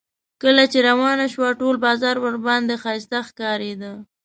کله چې روانه شوه ټول بازار ورباندې ښایسته ښکارېده.